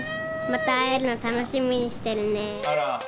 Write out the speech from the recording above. また会えるの楽しみにしてるね。